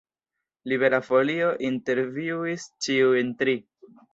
Libera Folio intervjuis ĉiujn tri.